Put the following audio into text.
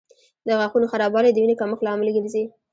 د غاښونو خرابوالی د وینې کمښت لامل ګرځي.